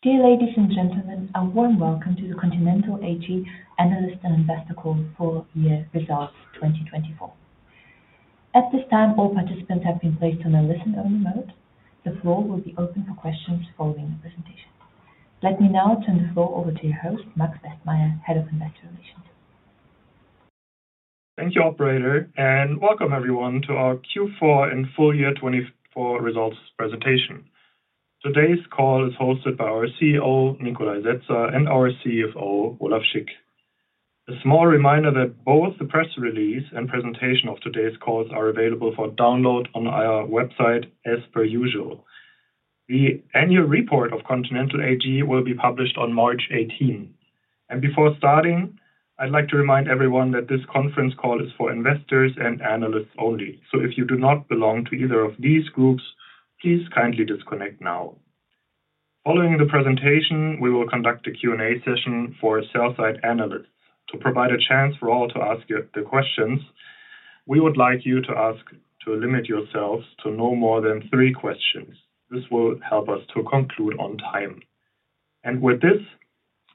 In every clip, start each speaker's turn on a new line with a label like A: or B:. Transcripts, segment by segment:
A: Dear ladies and gentlemen, a warm welcome to the Continental AG Analyst and Investor Call for Year Results 2024. At this time, all participants have been placed on a listen-only mode. The floor will be open for questions following the presentation. Let me now turn the floor over to your host, Max Westmeyer, Head of Investor Relations.
B: Thank you, Operator, and welcome everyone to our Q4 and full year 2024 results presentation. Today's call is hosted by our CEO, Nikolai Setzer, and our CFO, Olaf Schick. A small reminder that both the press release and presentation of today's calls are available for download on our website as per usual. The annual report of Continental AG will be published on March 18, and before starting, I'd like to remind everyone that this conference call is for investors and analysts only. So if you do not belong to either of these groups, please kindly disconnect now. Following the presentation, we will conduct a Q&A session for sell-side analysts to provide a chance for all to ask the questions. We would like to ask you to limit yourselves to no more than three questions. This will help us to conclude on time. With this,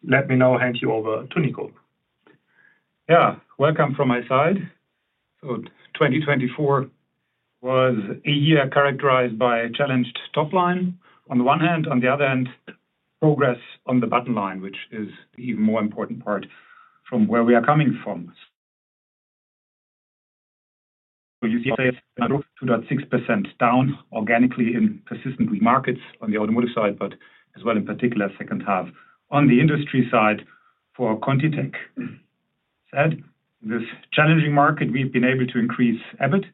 B: let me now hand you over to Nico.
C: Yeah, welcome from my side. So 2024 was a year characterized by a challenged top line on the one hand, on the other hand, progress on the bottom line, which is the even more important part from where we are coming from. So you see a 2.6% down organically in persistently weak markets on the Automotive side, but as well in particular second half on the industry side for ContiTech. Said in this challenging market, we've been able to increase EBIT,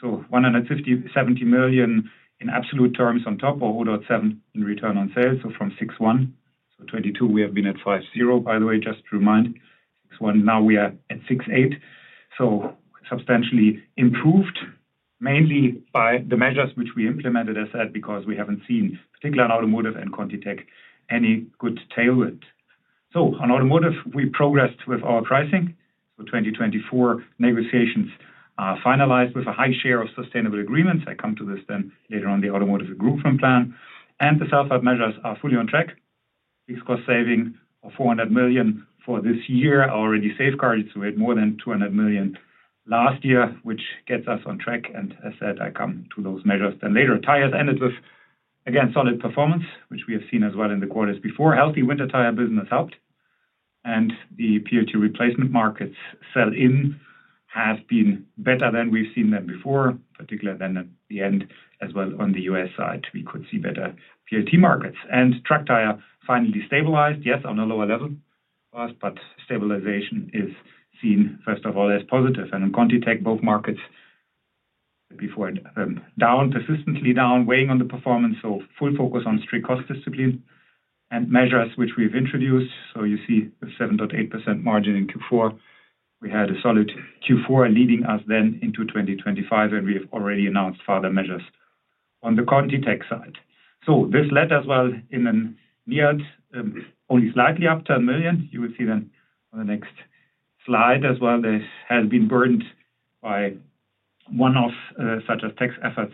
C: so 170 million in absolute terms on top or 0.7 in return on sales. So from 6.1%, so '22, we have been at 5.0%, by the way, just to remind 6.1%. Now we are at 6.8%. So substantially improved mainly by the measures which we implemented, as said, because we haven't seen particularly on Automotive and ContiTech any good tailwind. So on Automotive, we progressed with our pricing. So 2024 negotiations are finalized with a high share of sustainable agreements. I come to this then later on the Automotive group on plan and the self-help measures are fully on track. Fixed cost saving of 400 million for this year already safeguarded. So we had more than 200 million last year, which gets us on track. And as said, I come to those measures then later. Tires ended with, again, solid performance, which we have seen as well in the quarters before. Healthy winter tire business helped. And the PLT replacement markets sell-in have been better than we've seen them before, particularly then at the end as well on the U.S. side, we could see better PLT markets and truck tire finally stabilized. Yes, on a lower level for us, but stabilization is seen first of all as positive. In ContiTech, both markets were down, persistently down, weighing on the performance. Full focus on strict cost discipline and measures which we've introduced. You see the 7.8% margin in Q4. We had a solid Q4 leading us then into 2025, and we have already announced further measures on the ContiTech side. This led as well to a nearly only slightly up 10 million. You will see then on the next slide as well. It has been burdened by one-offs such as tax efforts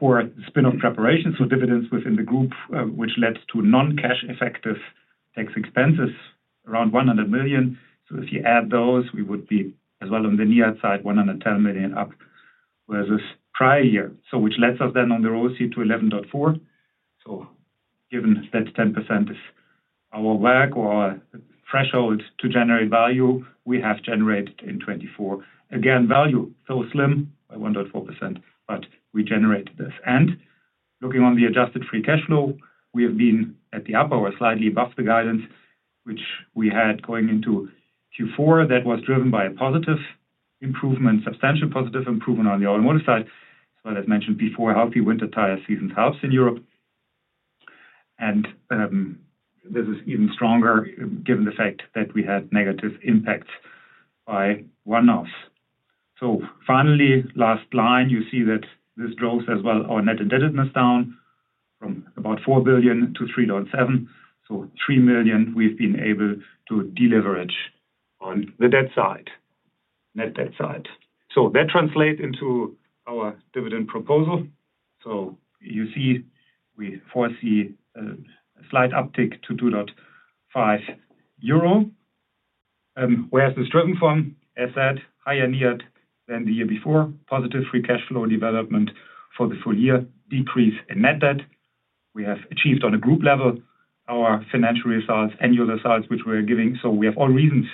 C: for spin-off preparation, dividends within the group, which led to non-cash effective tax expenses around 100 million. If you add those, we would be as well on the nearly side, 110 million up versus prior year, which lets us then on the road set to 11.4. Given that 10% is our hurdle to generate value, we have generated in 24, again, value so slim by 1.4%, but we generated this. Looking on the adjusted free cash flow, we have been at the upper or slightly above the guidance, which we had going into Q4 that was driven by a positive improvement, substantial positive improvement on the Automotive side. As well as mentioned before, healthy winter tire seasons helps in Europe. This is even stronger given the fact that we had negative impacts by one-offs. Finally, last line, you see that this drove as well our net indebtedness down from about 4 billion to 3.7 billion. 300 million, we've been able to deleverage on the debt side, net debt side. That translates into our dividend proposal. You see we foresee a slight uptick to 2.5 euro. Where's this driven from? As said, higher net than the year before, positive free cash flow development for the full year, decrease in net debt. We have achieved on a group level our financial results, annual results, which we are giving. So we have all reasons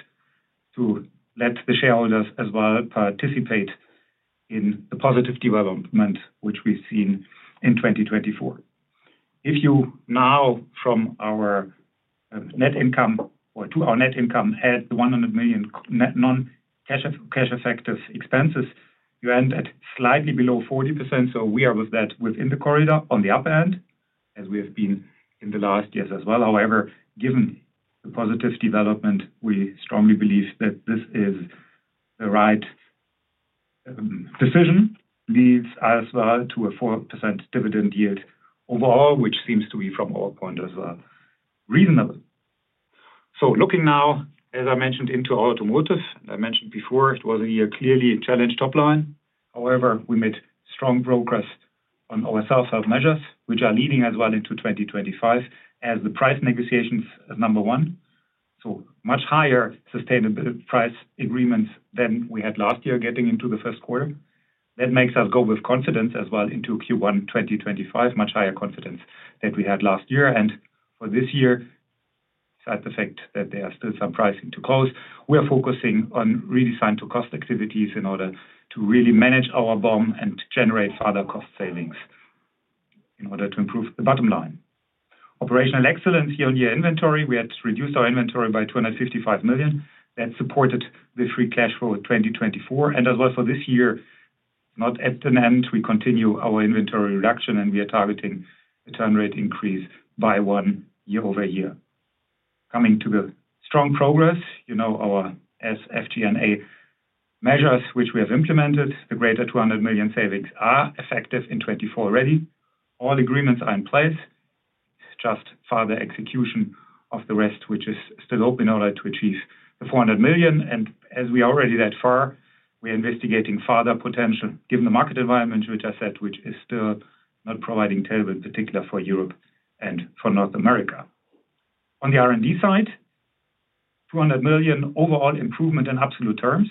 C: to let the shareholders as well participate in the positive development, which we've seen in 2024. If you now add to our net income the 100 million net non-cash effective expenses, you end at slightly below 40%. So we are with that within the corridor on the upper end as we have been in the last years as well. However, given the positive development, we strongly believe that this is the right decision, which leads as well to a 4% dividend yield overall, which seems to be from our point as well reasonable. So, looking now, as I mentioned, into Automotive, I mentioned before, it was a year clearly challenged top line. However, we made strong progress on our self-help measures, which are leading as well into 2025 as the price negotiations as number one. So much higher sustainable price agreements than we had last year getting into the first quarter. That makes us go with confidence as well into Q1 2025, much higher confidence than we had last year. And for this year, beside the fact that there are still some pricing to close, we are focusing on redesign to cost activities in order to really manage our BOM and generate further cost savings in order to improve the bottom line. Operational excellence year on year inventory, we had reduced our inventory by 255 million. That supported the free cash flow of 2024. As well for this year, not at an end, we continue our inventory reduction and we are targeting a turn rate increase by one year over year. Coming to the strong progress, you know our SG&A measures, which we have implemented, the greater 200 million savings are effective in 2024 already. All agreements are in place, just further execution of the rest, which is still open in order to achieve the 400 million. As we are already that far, we are investigating further potential given the market environment, which I said, which is still not providing tailwind, particularly for Europe and for North America. On the R&D side, 200 million overall improvement in absolute terms.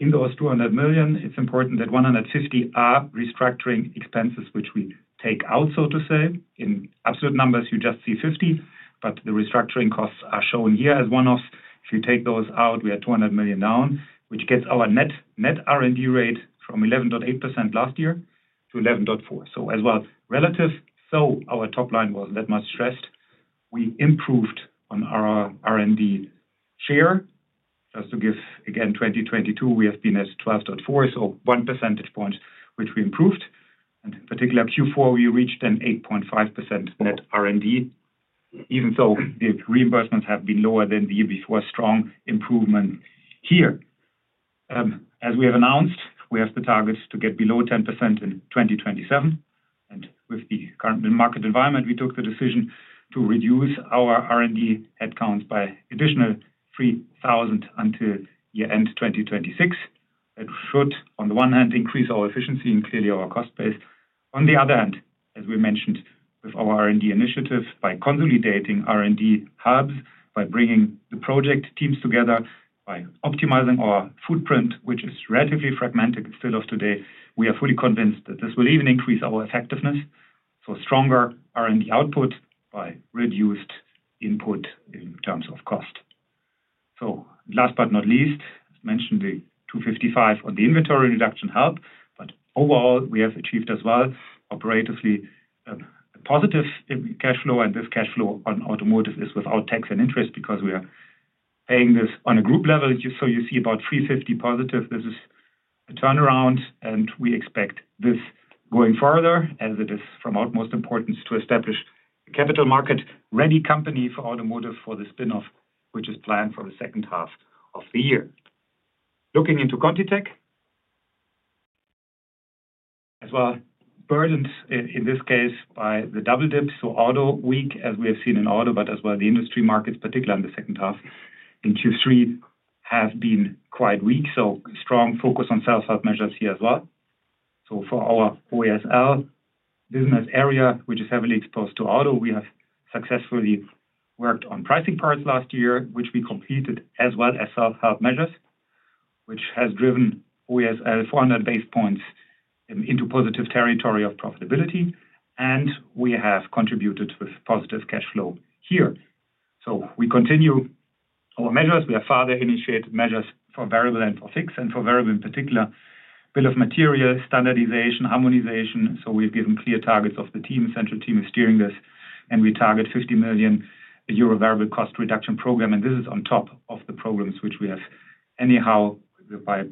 C: In those 200 million, it's important that 150 are restructuring expenses, which we take out, so to say. In absolute numbers, you just see 50 million, but the restructuring costs are shown here as one-offs. If you take those out, we are 200 million down, which gets our net net R&D rate from 11.8% last year to 11.4%. So as well relative, though our top line was that much stressed, we improved on our R&D share. Just to give again, 2022, we have been at 12.4%, so one percentage point, which we improved. And particularly Q4, we reached an 8.5% net R&D, even though the reimbursements have been lower than the year before. Strong improvement here. As we have announced, we have the targets to get below 10% in 2027. And with the current market environment, we took the decision to reduce our R&D headcounts by additional 3,000 until year end 2026. That should, on the one hand, increase our efficiency and clearly our cost base. On the other hand, as we mentioned with our R&D initiative, by consolidating R&D hubs, by bringing the project teams together, by optimizing our footprint, which is relatively fragmented still today, we are fully convinced that this will even increase our effectiveness. So stronger R&D output by reduced input in terms of cost. So last but not least, as mentioned, the 255 on the inventory reduction helped, but overall we have achieved as well operatively a positive cash flow. And this cash flow on Automotive is without tax and interest because we are paying this on a group level. So you see about 350 positive. This is a turnaround and we expect this going further as it is of utmost importance to establish a capital-market-ready company for Automotive for the spin-off, which is planned for the second half of the year. Looking into ContiTech, as well, burdened in this case by the double dip. Auto weak, as we have seen in auto, but as well the industrial markets, particularly in the second half in Q3, have been quite weak. Strong focus on self-help measures here as well. For our OESL business area, which is heavily exposed to auto, we have successfully worked on pricing parts last year, which we completed as well as self-help measures, which has driven OESL 400 basis points into positive territory of profitability, and we have contributed with positive cash flow here. We continue our measures. We have further initiated measures for variable and for fixed and for variable in particular, bill of material standardization, harmonization. We've given clear targets of the team. Central team is steering this and we target 50 million euro variable cost reduction program. This is on top of the programs which we have anyhow by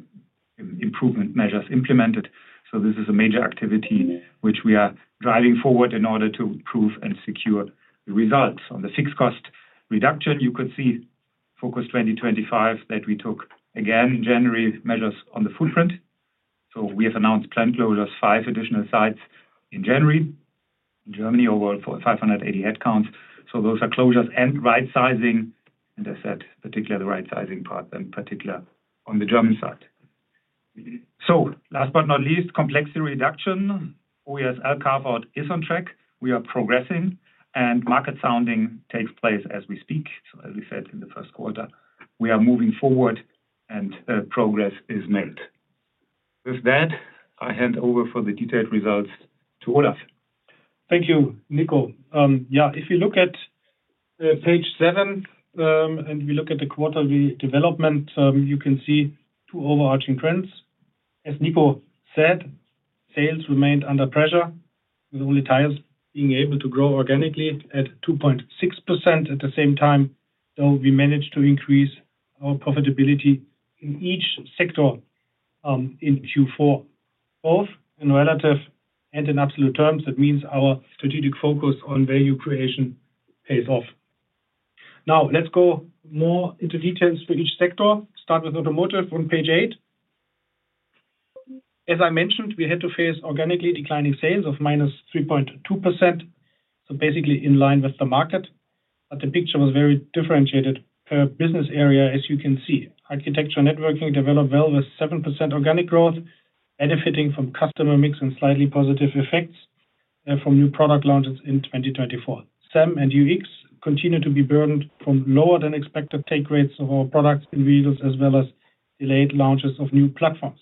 C: improvement measures implemented. So this is a major activity which we are driving forward in order to prove and secure the results on the fixed cost reduction. You could see Focus 2025 that we took again in January measures on the footprint. So we have announced plant closures, five additional sites in January, Germany overall for 580 headcounts. So those are closures and right sizing. And as said, particularly the right sizing part and particularly on the German side. So last but not least, complexity reduction, OESL carve out is on track. We are progressing and market sounding takes place as we speak. So as we said in the first quarter, we are moving forward and progress is made. With that, I hand over for the detailed results to Olaf.
D: Thank you, Nico. Yeah, if you look at page seven and we look at the quarterly development, you can see two overarching trends. As Nico said, sales remained under pressure with only tires being able to grow organically at 2.6%. At the same time, though, we managed to increase our profitability in each sector in Q4, both in relative and in absolute terms. That means our strategic focus on value creation pays off. Now let's go more into details for each sector. Start with Automotive on page eight. As I mentioned, we had to face organically declining sales of -3.2%. So basically in line with the market, but the picture was very differentiated per business area. As you can see, architecture networking developed well with 7% organic growth, benefiting from customer mix and slightly positive effects from new product launches in 2024. SAM and UX continue to be burdened from lower than expected take rates of our products in vehicles as well as delayed launches of new platforms.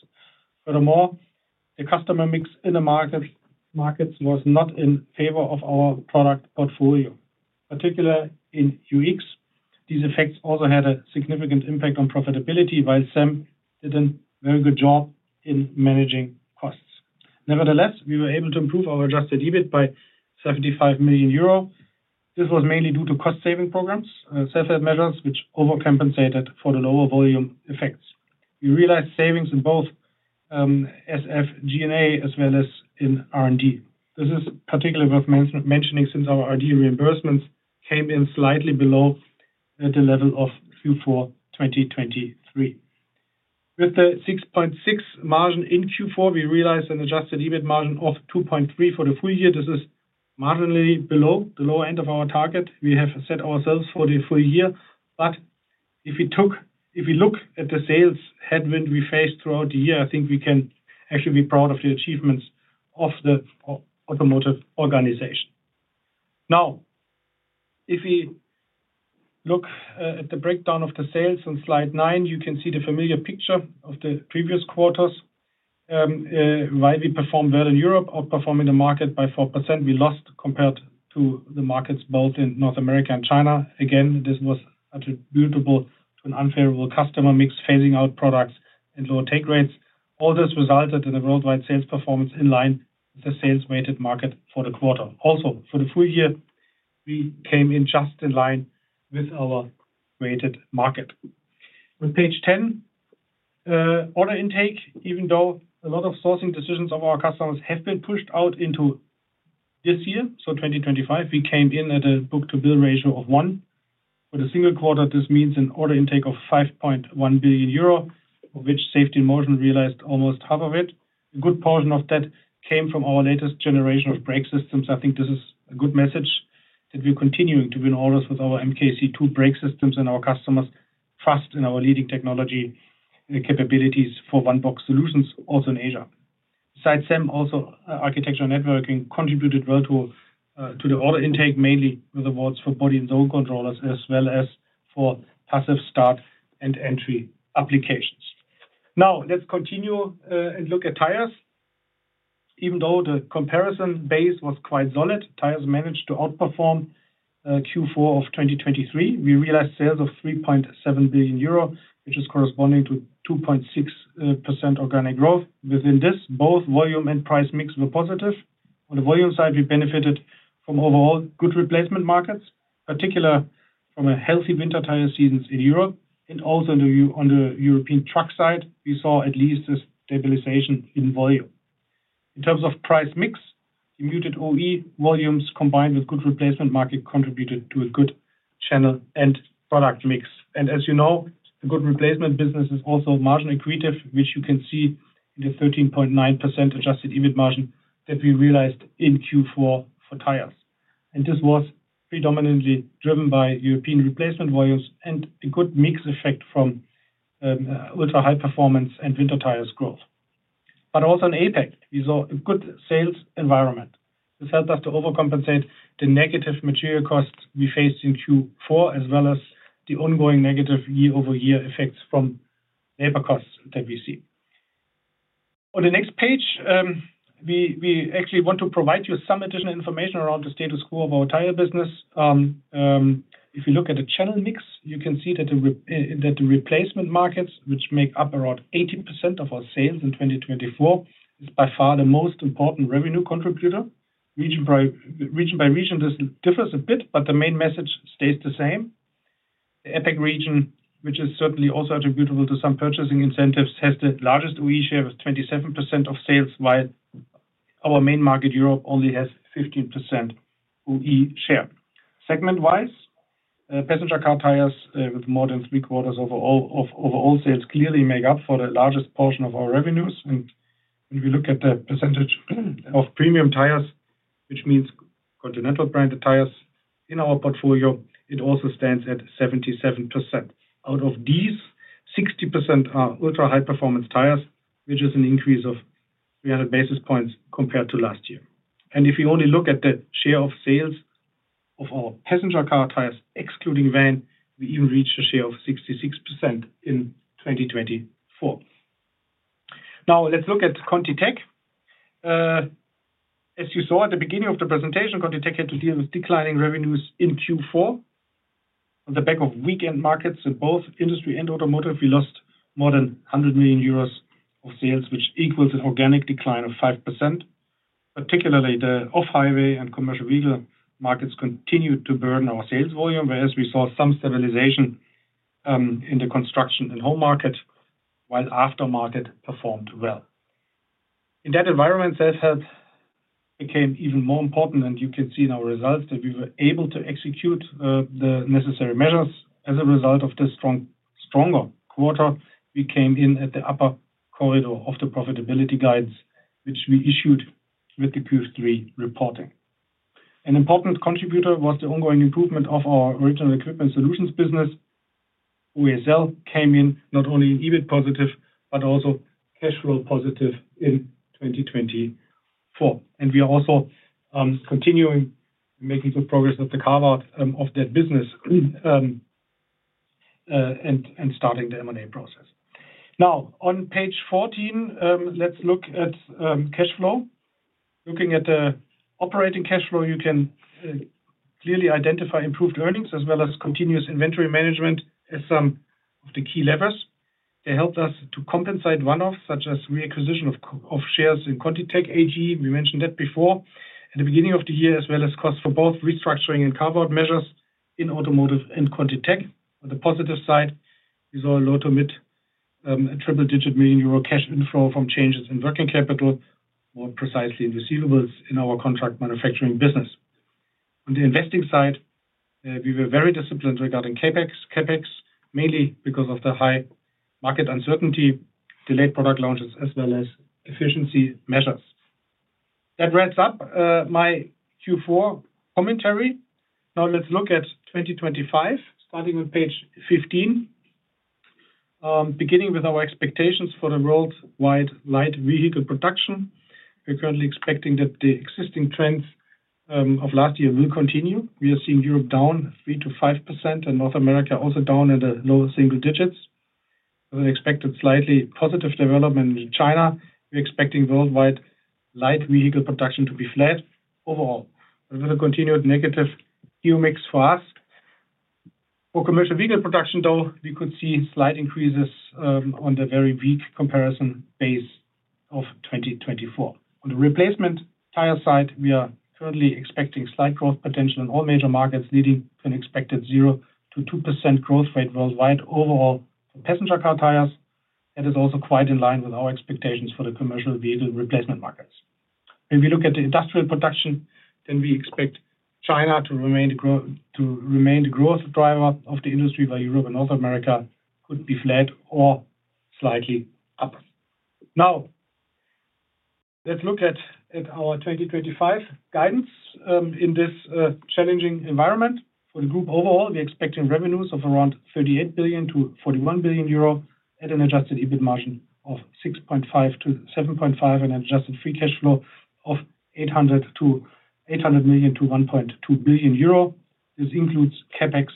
D: Furthermore, the customer mix in the markets was not in favor of our product portfolio, particularly in UX. These effects also had a significant impact on profitability, while SAM did a very good job in managing costs. Nevertheless, we were able to improve our adjusted EBIT by 75 million euro. This was mainly due to cost saving programs, self-help measures, which overcompensated for the lower volume effects. We realized savings in both SG&A as well as in R&D. This is particularly worth mentioning since our R&D reimbursements came in slightly below the level of Q4 2023. With the 6.6% margin in Q4, we realized an adjusted EBIT margin of 2.3% for the full year. This is marginally below the lower end of our target. We have set ourselves for the full year, but if we look at the sales headwind we faced throughout the year, I think we can actually be proud of the achievements of the automotive organization. Now, if we look at the breakdown of the sales on slide nine, you can see the familiar picture of the previous quarters. While we performed well in Europe, outperforming the market by 4%, we lost compared to the markets both in North America and China. Again, this was attributable to an unfavorable customer mix phasing out products and lower take rates. All this resulted in a worldwide sales performance in line with the sales weighted market for the quarter. Also, for the full year, we came in just in line with our weighted market. On page 10, order intake, even though a lot of sourcing decisions of our customers have been pushed out into this year, so 2025, we came in at a book-to-bill ratio of one. For the single quarter, this means an order intake of 5.1 billion euro, of which Safety and Motion realized almost half of it. A good portion of that came from our latest generation of brake systems. I think this is a good message that we're continuing to win orders with our MK C2 brake systems and our customers' trust in our leading technology capabilities for one-box solutions also in Asia. Besides SAM, also Architecture and Networking contributed well to the order intake, mainly with awards for body and zone controllers as well as for passive start and entry applications. Now let's continue and look at tires. Even though the comparison base was quite solid, tires managed to outperform Q4 of 2023. We realized sales of 3.7 billion euro, which is corresponding to 2.6% organic growth. Within this, both volume and price mix were positive. On the volume side, we benefited from overall good replacement markets, particularly from a healthy winter tire seasons in Europe, and also on the European truck side, we saw at least a stabilization in volume. In terms of price mix, the muted OE volumes combined with good replacement market contributed to a good channel and product mix, and as you know, the good replacement business is also margin accretive, which you can see in the 13.9% adjusted EBIT margin that we realized in Q4 for tires, and this was predominantly driven by European replacement volumes and a good mix effect from ultra high performance and winter tires growth. But also in APAC, we saw a good sales environment. This helped us to overcompensate the negative material costs we faced in Q4 as well as the ongoing negative year over year effects from labor costs that we see. On the next page, we actually want to provide you some additional information around the status quo of our tire business. If you look at the channel mix, you can see that the replacement markets, which make up around 80% of our sales in 2024, is by far the most important revenue contributor. Region by region, this differs a bit, but the main message stays the same. The APAC region, which is certainly also attributable to some purchasing incentives, has the largest OE share with 27% of sales, while our main market, Europe, only has 15% OE share. Segment-wise, passenger car tires with more than three quarters of all sales clearly make up for the largest portion of our revenues. When we look at the percentage of premium tires, which means Continental branded tires in our portfolio, it also stands at 77%. Out of these, 60% are ultra high performance tires, which is an increase of 300 basis points compared to last year. If we only look at the share of sales of our passenger car tires, excluding van, we even reached a share of 66% in 2024. Now let's look at ContiTech. As you saw at the beginning of the presentation, ContiTech had to deal with declining revenues in Q4. On the back of weak end markets in both industry and automotive, we lost more than 100 million euros of sales, which equals an organic decline of 5%. Particularly, the off-highway and commercial vehicle markets continued to hurt our sales volume, whereas we saw some stabilization in the construction and home market, while aftermarket performed well. In that environment, self-help became even more important, and you can see in our results that we were able to execute the necessary measures. As a result of this stronger quarter, we came in at the upper corridor of the profitability guides, which we issued with the Q3 reporting. An important contributor was the ongoing improvement of our original equipment solutions business. OESL came in not only in EBIT positive, but also cash flow positive in 2024, and we are also continuing to make good progress at the carve out of that business and starting the M&A process. Now, on page 14, let's look at cash flow. Looking at the operating cash flow, you can clearly identify improved earnings as well as continuous inventory management as some of the key levers. They helped us to compensate runoff, such as reacquisition of shares in ContiTech AG. We mentioned that before at the beginning of the year, as well as costs for both restructuring and carve-out measures in Automotive and ContiTech. On the positive side, we saw a low- to mid-triple-digit million EUR cash inflow from changes in working capital, more precisely in receivables in our contract manufacturing business. On the investing side, we were very disciplined regarding CapEx, mainly because of the high market uncertainty, delayed product launches, as well as efficiency measures. That wraps up my Q4 commentary. Now let's look at 2025, starting on page 15, beginning with our expectations for the worldwide light vehicle production. We're currently expecting that the existing trends of last year will continue. We are seeing Europe down 3%-5% and North America also down in the low single digits. As expected, a slightly positive development in China, we're expecting worldwide light vehicle production to be flat overall, with a continued negative EU mix for us. For commercial vehicle production, though, we could see slight increases on the very weak comparison base of 2024. On the replacement tire side, we are currently expecting slight growth potential in all major markets, leading to an expected 0%-2% growth rate worldwide overall for passenger car tires. That is also quite in line with our expectations for the commercial vehicle replacement markets. When we look at the industrial production, then we expect China to remain the growth driver of the industry, while Europe and North America could be flat or slightly up. Now, let's look at our 2025 guidance. In this challenging environment for the group overall, we're expecting revenues of around 38 billion-41 billion euro at an adjusted EBIT margin of 6.5%-7.5% and an adjusted free cash flow of 800 million-1.2 billion euro. This includes CapEx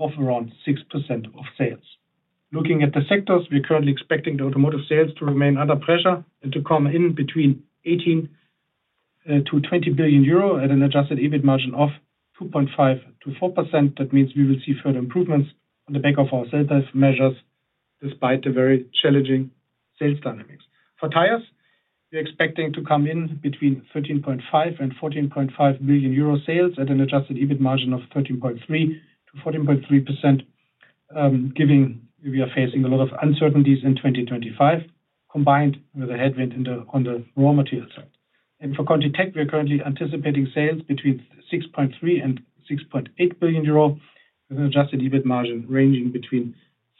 D: of around 6% of sales. Looking at the sectors, we're currently expecting the automotive sales to remain under pressure and to come in between 18 to 20 billion euro at an adjusted EBIT margin of 2.5%-4%. That means we will see further improvements on the back of our self-help measures, despite the very challenging sales dynamics. For tires, we're expecting to come in between 13.5 billion and 14.5 billion euro sales at an adjusted EBIT margin of 13.3%-14.3%, given we are facing a lot of uncertainties in 2025, combined with a headwind on the raw material side. And for ContiTech, we're currently anticipating sales between 6.3 billion and 6.8 billion euro with an adjusted EBIT margin ranging between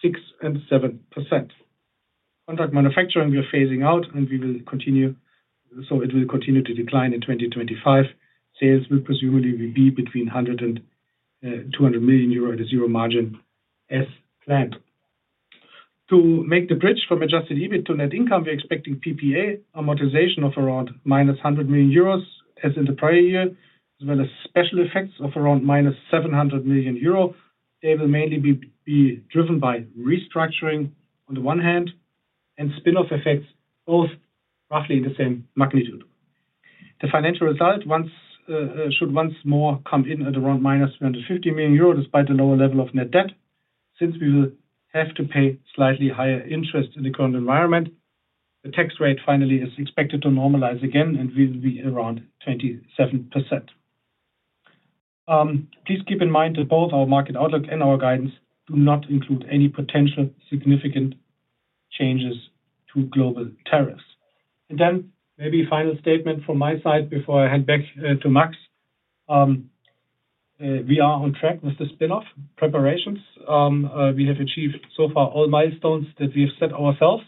D: 6% and 7%. Contract manufacturing, we're phasing out, and we will continue, so it will continue to decline in 2025. Sales will presumably be between 100 million and 200 million euro at a 0% margin as planned. To make the bridge from adjusted EBIT to net income, we're expecting PPA amortization of around minus 100 million euros as in the prior year, as well as special effects of around minus 700 million euro. They will mainly be driven by restructuring on the one hand and spin-off effects, both roughly in the same magnitude. The financial result should once more come in at around minus 350 million euro, despite the lower level of net debt, since we will have to pay slightly higher interest in the current environment. The tax rate finally is expected to normalize again and will be around 27%. Please keep in mind that both our market outlook and our guidance do not include any potential significant changes to global tariffs. And then maybe a final statement from my side before I head back to Max. We are on track with the spin-off preparations. We have achieved so far all milestones that we have set ourselves.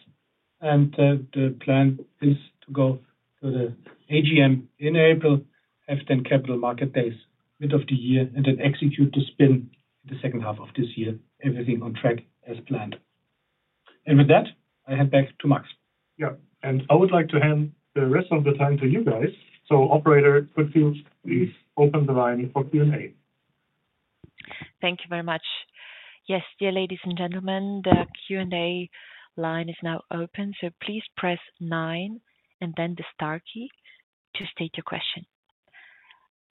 D: And the plan is to go to the AGM in April, have then Capital Market Days mid of the year, and then execute the spin in the second half of this year, everything on track as planned. And with that, I head back to Max. Yeah, and I would like to hand the rest of the time to you guys. So Operator, could you please open the line for Q&A?
A: Thank you very much. Yes, dear ladies and gentlemen, the Q&A line is now open. So please press nine and then the star key to state your question.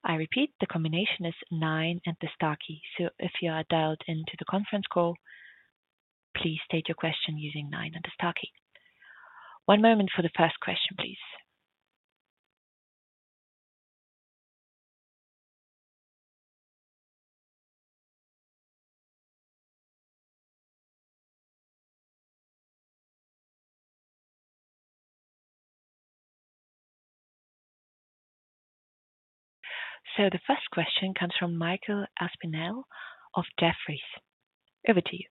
A: I repeat, the combination is nine and the star key. So if you are dialed into the conference call, please state your question using nine and the star key. One moment for the first question, please. So the first question comes from Michael Aspinall of Jefferies. Over to you.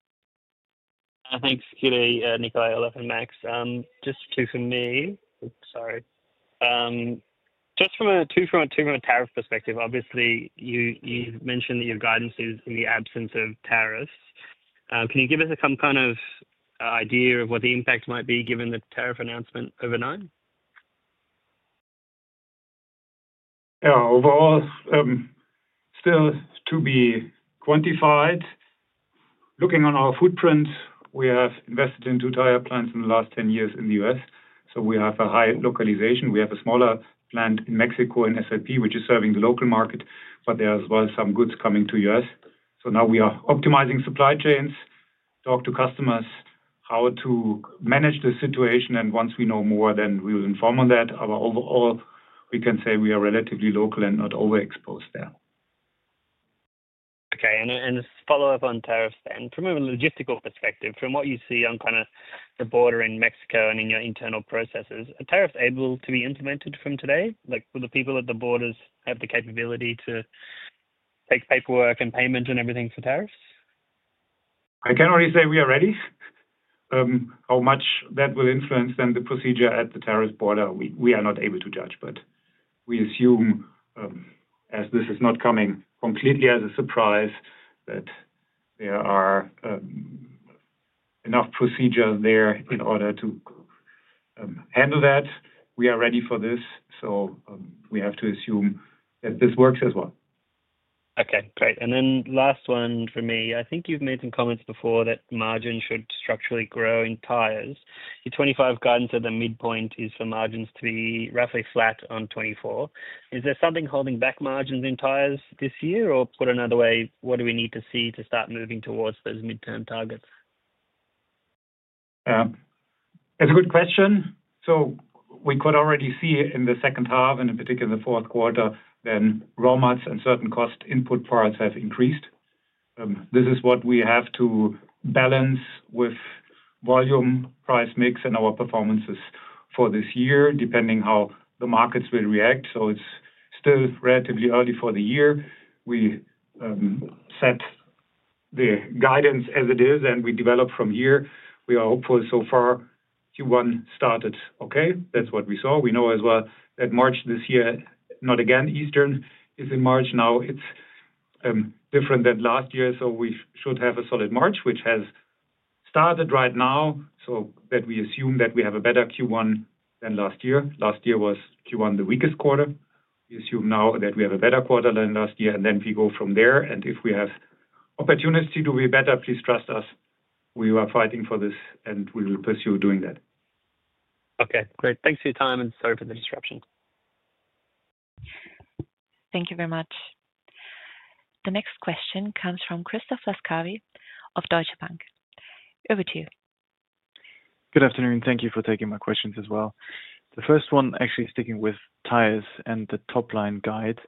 E: Thanks, Kelly, Nikolai, Olaf, and Max. Just two from me. Sorry. Just from a tariff perspective, obviously, you mentioned that your guidance is in the absence of tariffs. Can you give us a kind of idea of what the impact might be given the tariff announcement overnight?
C: Yeah, overall, still to be quantified. Looking on our footprint, we have invested in two tire plants in the last 10 years in the US. So we have a high localization. We have a smaller plant in Mexico in SLP, which is serving the local market, but there are as well some goods coming to the US. So now we are optimizing supply chains, talk to customers how to manage the situation. And once we know more, then we will inform on that. Overall, we can say we are relatively local and not overexposed there.
E: Okay, and this is a follow-up on tariffs then. From a logistical perspective, from what you see on kind of the border in Mexico and in your internal processes, are tariffs able to be implemented from today? Like, will the people at the borders have the capability to take paperwork and payments and everything for tariffs?
C: I can only say we are ready. How much that will influence then the procedure at the tariff border, we are not able to judge. But we assume, as this is not coming completely as a surprise, that there are enough procedures there in order to handle that. We are ready for this. So we have to assume that this works as well.
E: Okay, great. And then last one for me. I think you've made some comments before that margin should structurally grow in tires. Your 2025 guidance at the midpoint is for margins to be roughly flat on 2024. Is there something holding back margins in tires this year? Or put another way, what do we need to see to start moving towards those midterm targets?
C: That's a good question. So we could already see in the second half, and in particular the fourth quarter, then raw mats and certain cost input parts have increased. This is what we have to balance with volume, price mix, and our performances for this year, depending on how the markets will react. So it's still relatively early for the year. We set the guidance as it is, and we develop from here. We are hopeful so far Q1 started okay. That's what we saw. We know as well that March this year, not again, Easter is in March now. It's different than last year. So we should have a solid March, which has started right now, so that we assume that we have a better Q1 than last year. Last year was Q1 the weakest quarter. We assume now that we have a better quarter than last year. And then we go from there. And if we have opportunity to be better, please trust us. We are fighting for this, and we will pursue doing that.
E: Okay, great. Thanks for your time, and sorry for the disruption.
A: Thank you very much. The next question comes from Christoph of Deutsche Bank. Over to you.
F: Good afternoon. Thank you for taking my questions as well. The first one actually is sticking with tires and the top line guide.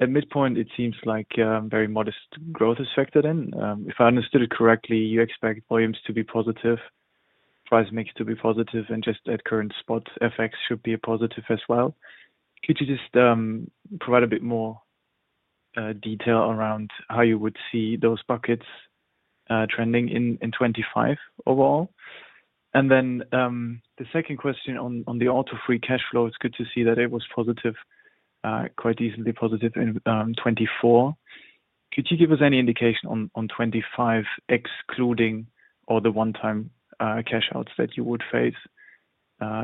F: At midpoint, it seems like very modest growth is factored in. If I understood it correctly, you expect volumes to be positive, price mix to be positive, and just at current spot, FX should be a positive as well. Could you just provide a bit more detail around how you would see those buckets trending in 2025 overall? And then the second question on the auto-free cash flow, it's good to see that it was positive, quite easily positive in 2024. Could you give us any indication on 2025, excluding all the one-time cash outs that you would face?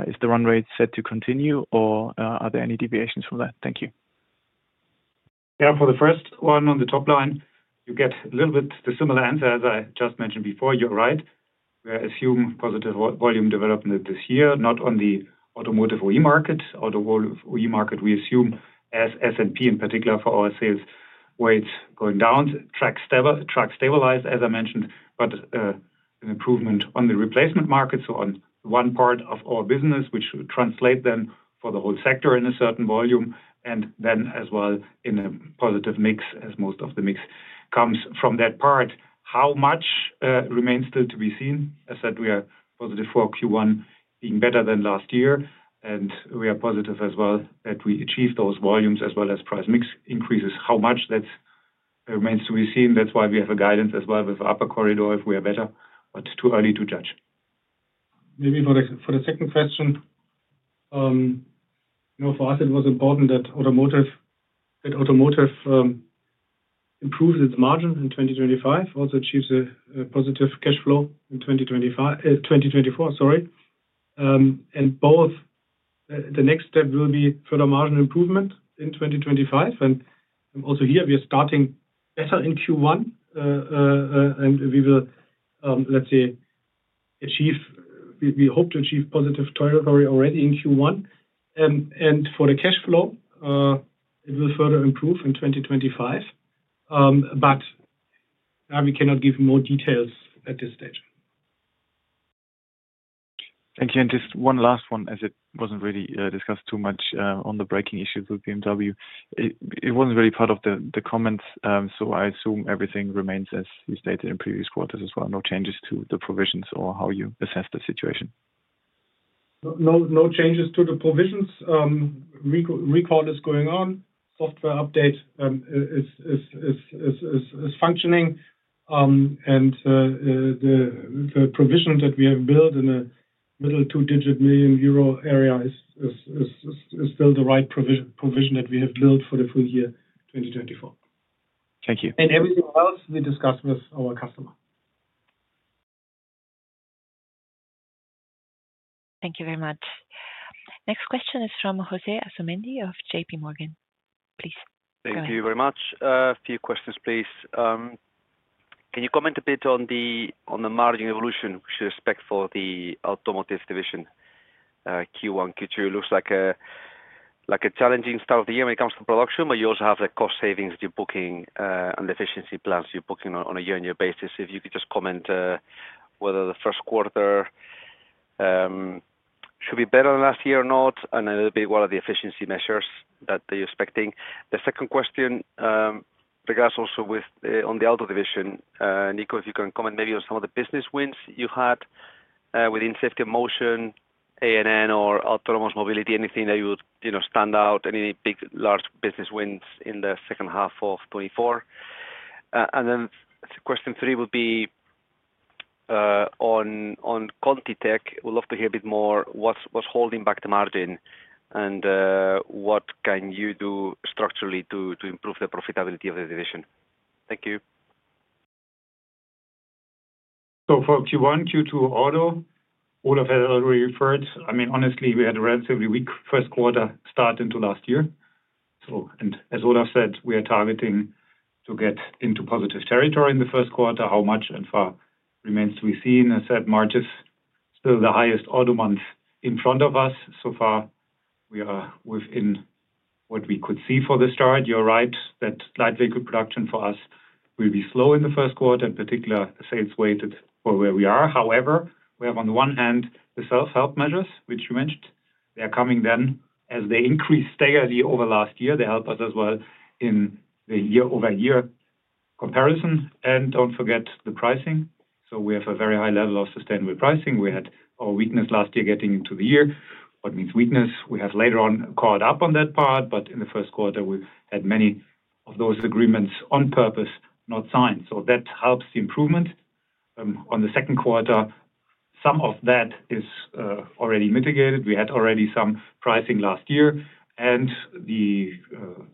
F: Is the run rate set to continue, or are there any deviations from that? Thank you.
D: Yeah, for the first one on the top line, you get a little bit the similar answer as I just mentioned before. You're right. We assume positive volume development this year, not on the automotive OE market. Automotive OE market, we assume ASP in particular for our sales weights going down, track stabilized, as I mentioned, but an improvement on the replacement market. So on one part of our business, which should translate then for the whole sector in a certain volume, and then as well in a positive mix as most of the mix comes from that part. How much remains still to be seen? As I said, we are positive for Q1 being better than last year, and we are positive as well that we achieve those volumes as well as price mix increases. How much that remains to be seen. That's why we have a guidance as well with the upper corridor if we are better, but too early to judge.
C: Maybe for the second question, for us, it was important that Automotive improves its margin in 2025, also achieves a positive cash flow in 2024, sorry. And both the next step will be further margin improvement in 2025. And also here, we are starting better in Q1. And we will, let's say, achieve we hope to achieve positive territory already in Q1. And for the cash flow, it will further improve in 2025. But we cannot give you more details at this stage. Thank you. And just one last one, as it wasn't really discussed too much on the braking issues with BMW. It wasn't really part of the comments. So I assume everything remains as you stated in previous quarters as well. No changes to the provisions or how you assess the situation. No changes to the provisions. Recall is going on. Software update is functioning. The provision that we have built in the middle two-digit million EUR area is still the right provision that we have built for the full year 2024. Thank you. And everything else we discuss with our customer. Thank you very much.
A: Next question is from José Asumendi of J.P. Morgan, please. Thank you very much. A few questions, please. Can you comment a bit on the margin evolution we should expect for the automotive division, Q1, Q2? It looks like a challenging start of the year when it comes to production, but you also have the cost savings that you're booking and the efficiency plans you're booking on a year-on-year basis. If you could just comment whether the first quarter should be better than last year or not, and a little bit what are the efficiency measures that you're expecting. The second question regards also with on the auto division, Nico, if you can comment maybe on some of the business wins you had within Safety and Motion, A&N or Autonomous Mobility, anything that you would stand out, any big large business wins in the second half of 2024. And then question three would be on ContiTech. We'd love to hear a bit more what's holding back the margin and what can you do structurally to improve the profitability of the division. Thank you.
D: So for Q1, Q2, auto, Olaf has already referred. I mean, honestly, we had a relatively weak first quarter start into last year. And as Olaf said, we are targeting to get into positive territory in the first quarter. How much and far remains to be seen. As I said, March is still the highest auto month in front of us. So far, we are within what we could see for the start. You're right that light vehicle production for us will be slow in the first quarter, in particular sales weighted for where we are. However, we have on the one hand the self-help measures, which you mentioned. They are coming then as they increase steadily over last year. They help us as well in the year-over-year comparison. And don't forget the pricing. So we have a very high level of sustainable pricing. We had our weakness last year getting into the year. What means weakness? We have later on caught up on that part, but in the first quarter, we had many of those agreements on purpose not signed. So that helps the improvement. On the second quarter, some of that is already mitigated. We had already some pricing last year. The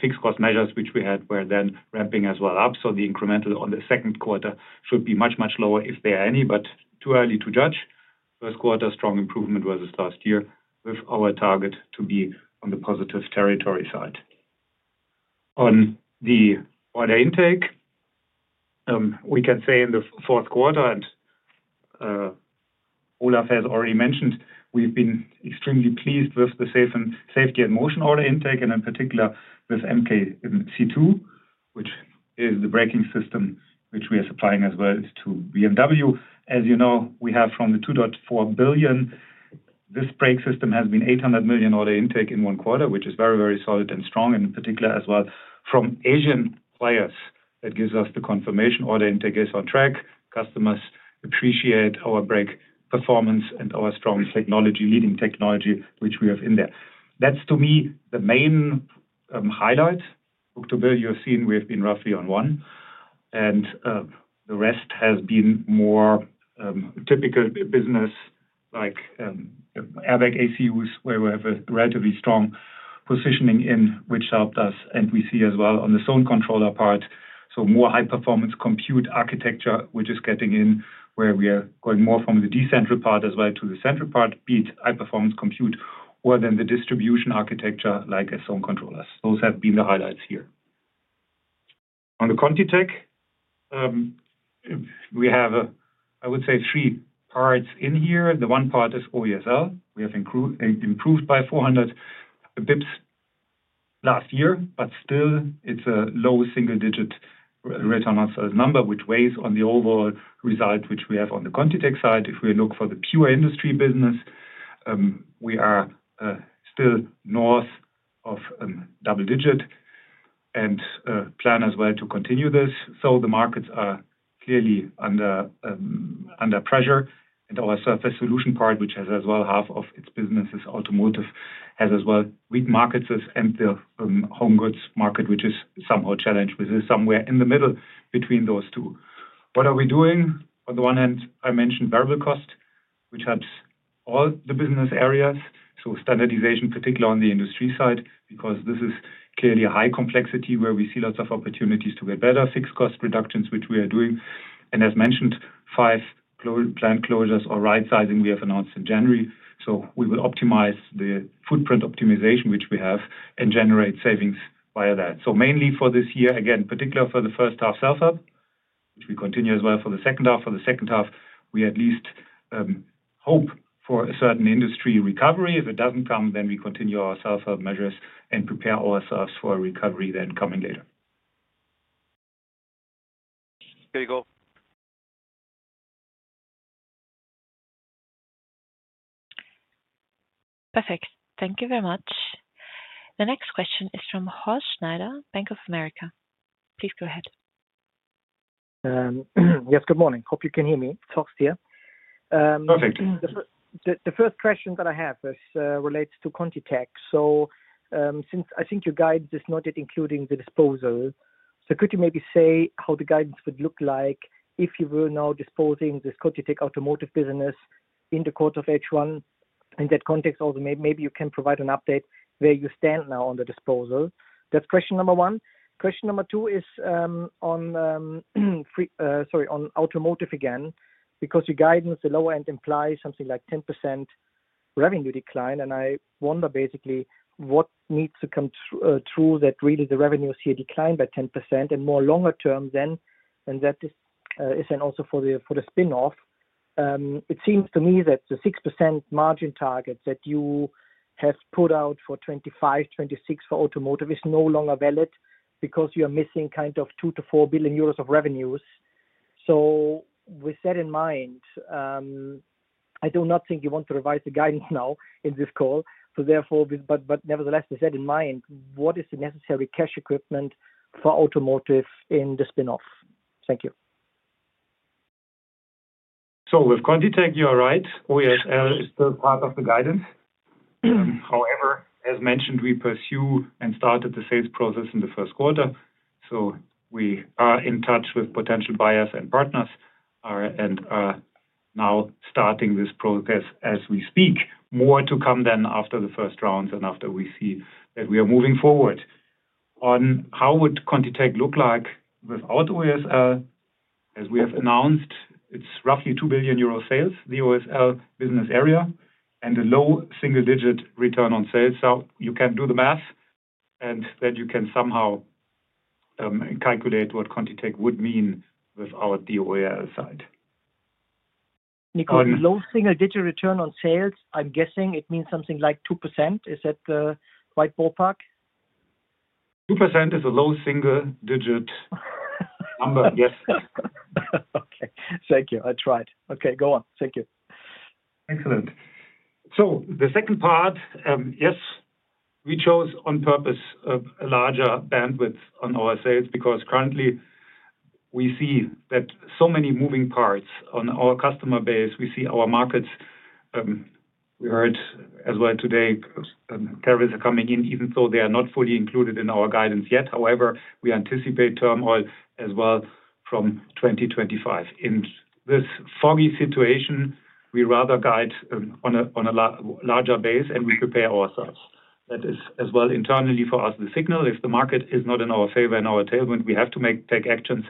D: fixed cost measures, which we had, were then ramping as well up. The incremental on the second quarter should be much, much lower if there are any, but too early to judge. First quarter, strong improvement versus last year with our target to be on the positive territory side. On the order intake, we can say in the fourth quarter, and Olaf has already mentioned, we've been extremely pleased with the Safety and Motion order intake, and in particular with MKC2, which is the braking system which we are supplying as well to BMW. As you know, we have from the 2.4 billion, this brake system has been 800 million order intake in one quarter, which is very, very solid and strong. In particular as well from Asian players, that gives us the confirmation order intake is on track. Customers appreciate our brake performance and our strong technology, leading technology, which we have in there. That's to me the main highlight. Book-to-bill, you have seen we have been roughly on one. And the rest has been more typical business like airbag ACUs, where we have a relatively strong positioning in, which helped us. And we see as well on the zone controller part, so more high-performance compute architecture, which is getting in, where we are going more from the decentralized part as well to the central part, be it high-performance compute or then the distribution architecture like zone controllers. Those have been the highlights here. On the ContiTech, we have, I would say, three parts in here. The one part is OESL. We have improved by 400 basis points last year, but still, it's a low single-digit return on sales number, which weighs on the overall result, which we have on the ContiTech side. If we look for the pure industry business, we are still north of double digit and plan as well to continue this. So the markets are clearly under pressure. And our Surface Solutions part, which has as well half of its business is automotive, has as well weak markets and the home goods market, which is somehow challenged. This is somewhere in the middle between those two. What are we doing? On the one hand, I mentioned variable cost, which helps all the business areas. So standardization, particularly on the industry side, because this is clearly a high complexity where we see lots of opportunities to get better fixed cost reductions, which we are doing. As mentioned, five plant closures or right-sizing we have announced in January. So we will optimize the footprint optimization, which we have, and generate savings via that. So mainly for this year, again, particularly for the first half self-help, which we continue as well for the second half. For the second half, we at least hope for a certain industry recovery. If it doesn't come, then we continue our self-help measures and prepare ourselves for a recovery then coming later.
F: There you go.
A: Perfect. Thank you very much. The next question is from Horst Schneider, Bank of America. Please go ahead.
G: Yes, good morning. Hope you can hear me. It's Horst here. Perfect. The first question that I have relates to ContiTech. So, since I think your guidance is not yet including the disposal, could you maybe say how the guidance would look like if you were now disposing this ContiTech automotive business in the course of H1? In that context, maybe you can provide an update where you stand now on the disposal. That's question number one. Question number two is on automotive again, because your guidance, the lower end implies something like 10% revenue decline. And I wonder basically what needs to come through that really the revenues here decline by 10% and more longer term than that is then also for the spin-off. It seems to me that the 6% margin target that you have put out for 2025, 2026 for automotive is no longer valid because you are missing kind of 2-4 billion euros of revenues. So with that in mind, I do not think you want to revise the guidance now in this call. But nevertheless, with that in mind, what is the necessary cash equipment for automotive in the spin-off? Thank you.
C: So with ContiTech, you are right. OESL is still part of the guidance. However, as mentioned, we pursue and started the sales process in the first quarter. So we are in touch with potential buyers and partners and are now starting this process as we speak. More to come then after the first rounds and after we see that we are moving forward. On how would ContiTech look like without OESL? As we have announced, it's roughly 2 billion euro sales, the OESL business area, and a low single-digit return on sales. So you can do the math, and then you can somehow calculate what ContiTech would mean without the OESL side.
G: Nico, low single-digit return on sales, I'm guessing it means something like 2%. Is that quite ballpark? 2% is a low single-digit number, yes. Okay. Thank you. I tried. Okay. Go on. Thank you.
D: Excellent. The second part, yes, we chose on purpose a larger bandwidth on our sales because currently we see that so many moving parts on our customer base. We see our markets. We heard as well today, tariffs are coming in, even though they are not fully included in our guidance yet. However, we anticipate turmoil as well from 2025. In this foggy situation, we rather guide on a larger base and we prepare ourselves. That is as well internally for us the signal. If the market is not in our favor and our talent, we have to take actions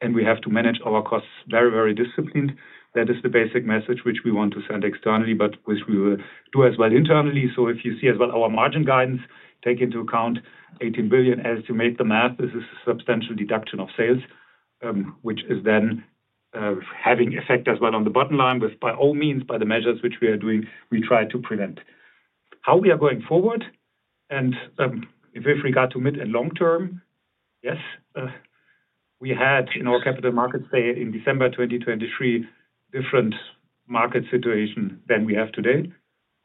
D: and we have to manage our costs very, very disciplined. That is the basic message which we want to send externally, but which we will do as well internally. So if you see as well our margin guidance, take into account 18 billion as to make the math, this is a substantial deduction of sales, which is then having effect as well on the bottom line. By all means by the measures which we are doing, we try to prevent. How we are going forward? And if we got to mid and long term, yes, we had in our capital markets in December 2023, different market situation than we have today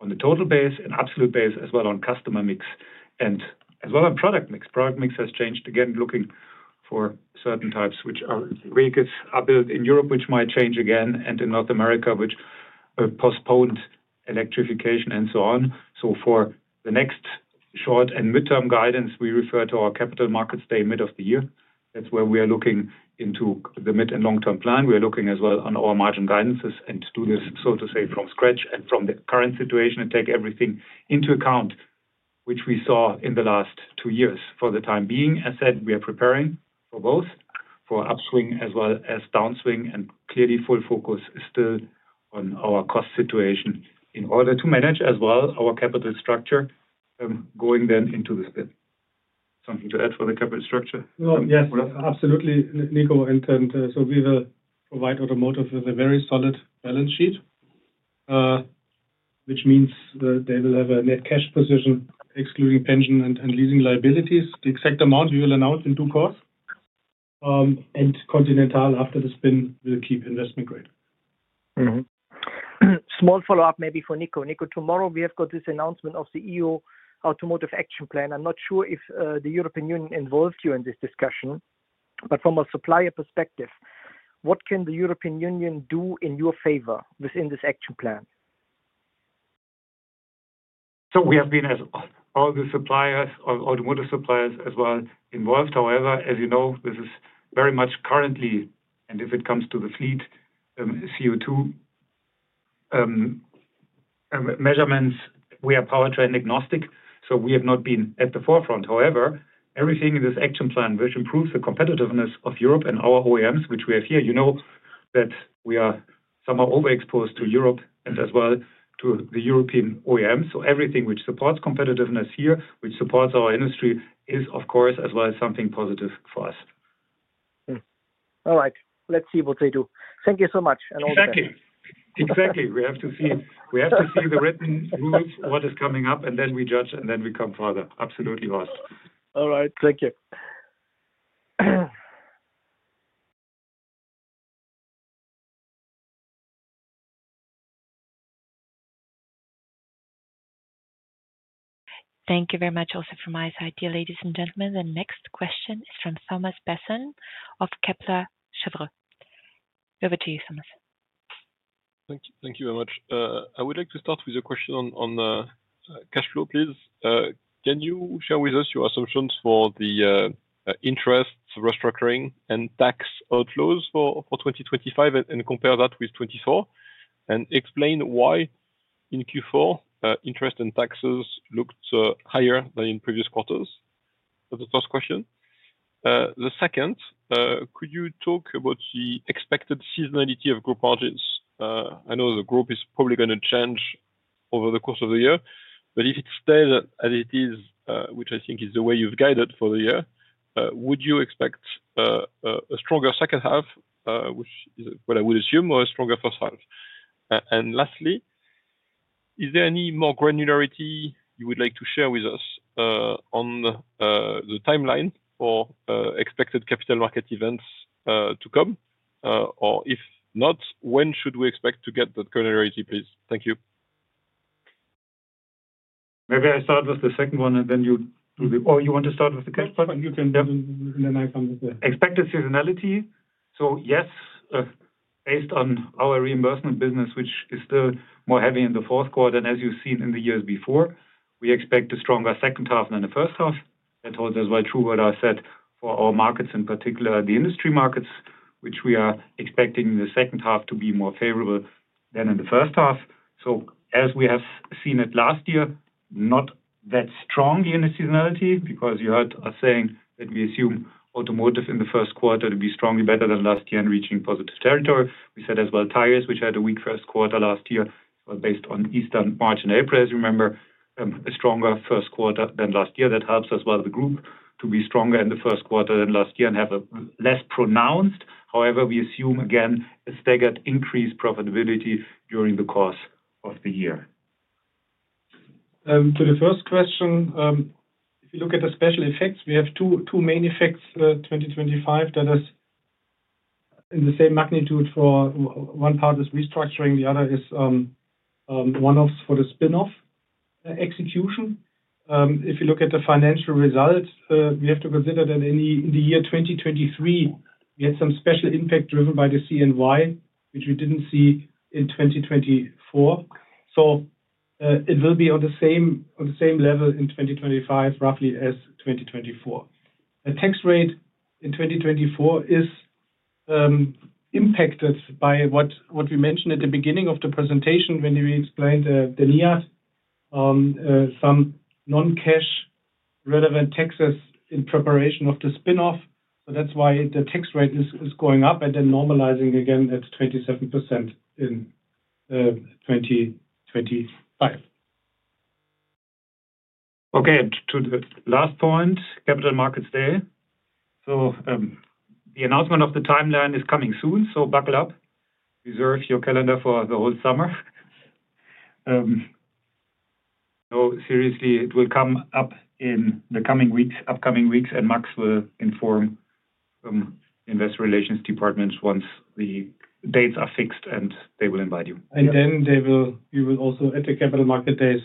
D: on the total base and absolute base as well on customer mix and as well on product mix. Product mix has changed again, looking for certain types which are built in Europe, which might change again, and in North America, which postponed electrification and so on. So for the next short- and mid-term guidance, we refer to our capital markets day mid of the year. That's where we are looking into the mid- and long-term plan. We are looking as well on our margin guidances and do this, so to say, from scratch and from the current situation and take everything into account, which we saw in the last two years for the time being. As I said, we are preparing for both, for upswing as well as downswing, and clearly full focus is still on our cost situation in order to manage as well our capital structure going then into the spin.
C: Something to add for the capital structure? Yes, absolutely, Nico. And so we will provide Automotive with a very solid balance sheet, which means they will have a net cash position excluding pension and leasing liabilities. The exact amount we will announce in due course. And Continental, after the spin, will keep investment grade.
G: Small follow-up maybe for Nico. Nico, tomorrow we have got this announcement of the EU Automotive Action Plan. I'm not sure if the European Union involved you in this discussion, but from a supplier perspective, what can the European Union do in your favor within this action plan?
C: So we have been as well all the suppliers, automotive suppliers as well involved. However, as you know, this is very much currently. And if it comes to the fleet CO2 measurements, we are power train agnostic. So we have not been at the forefront. However, everything in this action plan, which improves the competitiveness of Europe and our OEMs, which we have here, you know that we are somehow overexposed to Europe and as well to the European OEMs.
D: So everything which supports competitiveness here, which supports our industry, is of course as well something positive for us.
G: All right. Let's see what they do. Thank you so much.
C: Exactly. Exactly. We have to see the written news, what is coming up, and then we judge and then we come further. Absolutely, Horst. All right. Thank you.
A: Thank you very much, also from my side, dear ladies and gentlemen. The next question is from Thomas Besson of Kepler Cheuvreux. Over to you, Thomas.
H: Thank you very much. I would like to start with my question on cash flow, please. Can you share with us your assumptions for the interest restructuring and tax outflows for 2025 and compare that with 2024? And explain why in Q4 interest and taxes looked higher than in previous quarters? That's the first question. The second, could you talk about the expected seasonality of group margins? I know the group is probably going to change over the course of the year, but if it stays as it is, which I think is the way you've guided for the year, would you expect a stronger second half, which is what I would assume, or a stronger first half? And lastly, is there any more granularity you would like to share with us on the timeline for expected capital market events to come? Or if not, when should we expect to get that granularity, please? Thank you.
D: Maybe I start with the second one and then you do the-
C: or you want to start with the cash flow? You can definitely-and then I come with the expected seasonality. So yes, based on our replacement business, which is still more heavy in the fourth quarter than as you've seen in the years before, we expect a stronger second half than the first half. That holds as well true what I said for our markets in particular, the industry markets, which we are expecting the second half to be more favorable than in the first half. So as we have seen it last year, not that strongly in the seasonality because you heard us saying that we assume automotive in the first quarter to be strongly better than last year and reaching positive territory. We said as well tires, which had a weak first quarter last year, based on Easter in March and April, as you remember, a stronger first quarter than last year. That helps as well the group to be stronger in the first quarter than last year and have a less pronounced, however, we assume again a staggered increase profitability during the course of the year.
D: To the first question, if you look at the special effects, we have two main effects 2025 that are in the same magnitude for one part is restructuring, the other is one-offs for the spin-off execution. If you look at the financial results, we have to consider that in the year 2023, we had some special impact driven by the CNY, which we didn't see in 2024. So it will be on the same level in 2025, roughly as 2024. The tax rate in 2024 is impacted by what we mentioned at the beginning of the presentation when we explained the NIAT, some non-cash relevant taxes in preparation of the spin-off. So that's why the tax rate is going up and then normalizing again at 27% in 2025. Okay. And to the last point, capital markets day. So the announcement of the timeline is coming soon. So buckle up.
C: Reserve your calendar for the whole summer. No, seriously, it will come up in the coming weeks, upcoming weeks, and Max will inform investor relations departments once the dates are fixed and they will invite you.
D: And then you will also at the Capital Market Days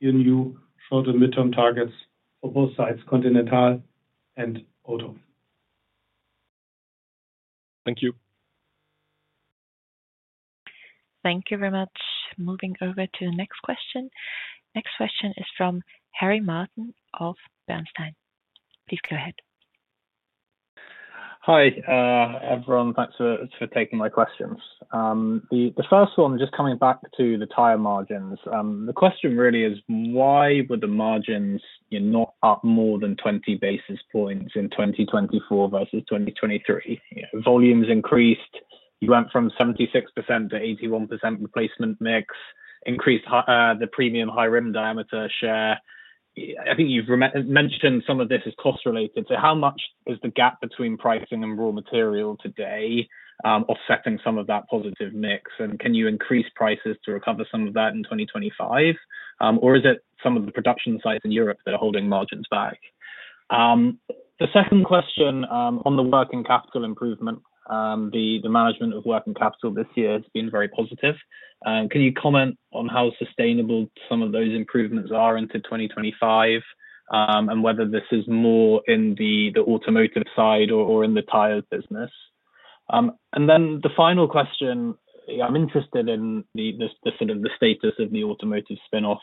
D: your new short and midterm targets for both sides, Continental and Auto.
H: Thank you.
A: Thank you very much. Moving over to the next question. Next question is from Harry Martin of Bernstein. Please go ahead.
I: Hi, everyone. Thanks for taking my questions. The first one, just coming back to the tire margins, the question really is, why would the margins not up more than 20 basis points in 2024 versus 2023? Volumes increased, you went from 76% to 81% replacement mix, increased the premium high rim diameter share. I think you've mentioned some of this is cost-related. So how much is the gap between pricing and raw material today offsetting some of that positive mix? And can you increase prices to recover some of that in 2025? Or is it some of the production sites in Europe that are holding margins back? The second question on the working capital improvement, the management of working capital this year has been very positive. Can you comment on how sustainable some of those improvements are into 2025 and whether this is more in the automotive side or in the tires business? And then the final question, I'm interested in the status of the automotive spin-off.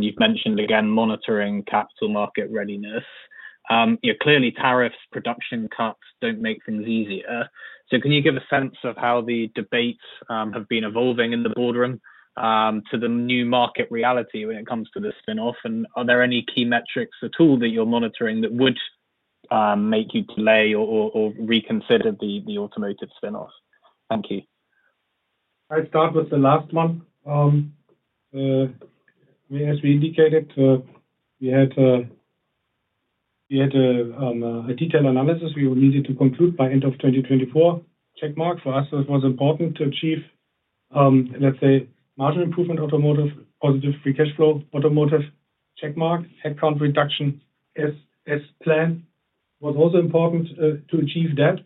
I: You've mentioned again monitoring capital market readiness. Clearly, tariffs, production cuts don't make things easier. So can you give a sense of how the debates have been evolving in the boardroom to the new market reality when it comes to the spin-off? And are there any key metrics at all that you're monitoring that would make you delay or reconsider the automotive spin-off? Thank you.
D: I'll start with the last one. As we indicated, we had a detailed analysis we needed to conclude by end of 2024. Checkmark for us, it was important to achieve, let's say, margin improvement automotive, positive free cash flow automotive. Checkmark, headcount reduction as planned was also important to achieve that.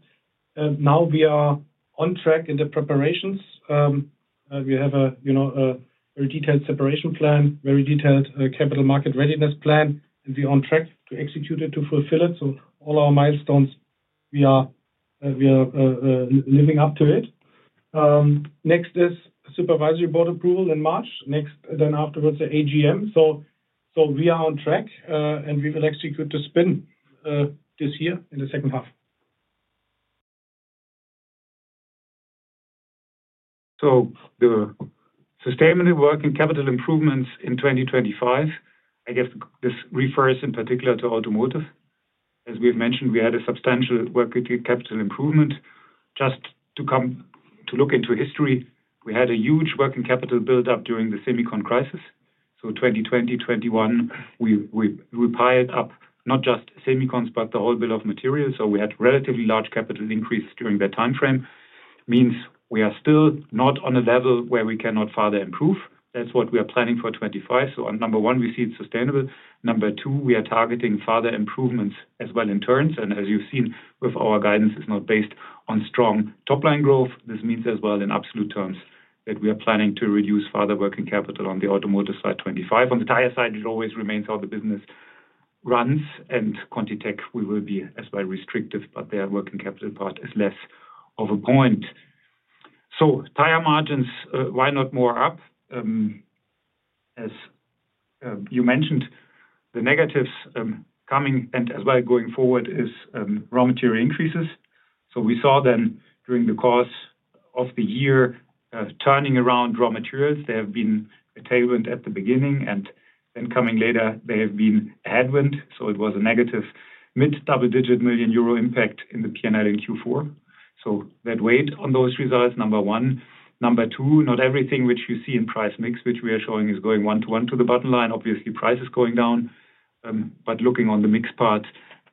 D: Now we are on track in the preparations. We have a very detailed separation plan, very detailed capital market readiness plan, and we are on track to execute it, to fulfill it. So all our milestones, we are living up to it. Next is Supervisory Board approval in March. Next, then afterwards, the AGM. So we are on track, and we will execute the spin this year in the second half.
C: So the sustainability work and capital improvements in 2025, I guess this refers in particular to automotive. As we've mentioned, we had a substantial working capital improvement. Just to look into history, we had a huge working capital build-up during the semiconductor crisis. So 2020, 2021, we piled up not just semiconductors, but the whole bill of materials. So we had relatively large capital increase during that timeframe. Means we are still not on a level where we cannot further improve. That's what we are planning for 2025. So number one, we see it sustainable. Number two, we are targeting further improvements as well in turns. And as you've seen, with our guidance, it's not based on strong top-line growth. This means as well in absolute terms that we are planning to reduce further working capital on the automotive side 2025. On the tire side, it always remains how the business runs. And ContiTech, we will be as well restrictive, but their working capital part is less of a point. So tire margins, why not more up? As you mentioned, the negatives coming and as well going forward is raw material increases. So we saw then during the course of the year turning around raw materials. They have been a tailwind at the beginning, and then coming later, they have been a headwind. So it was a negative mid double-digit million EUR impact in the P&L in Q4. So that weighed on those results, number one. Number two, not everything which you see in price mix, which we are showing, is going one-to-one to the bottom line. Obviously, price is going down. But looking on the mix part,